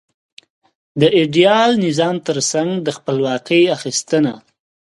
د ایډیال نظام ترڅنګ د خپلواکۍ اخیستنه.